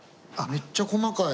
めっちゃ細かい！